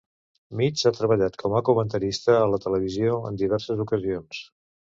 Mitts ha treballat com a comentarista a la televisió en diverses ocasions.